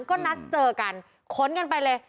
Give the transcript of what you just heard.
ก็นัดเจอกันขนกันไปเลย